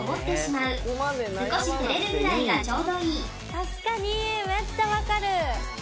確かにめっちゃ分かる。